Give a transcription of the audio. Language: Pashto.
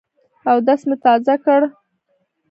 اودس مي تازه کړ .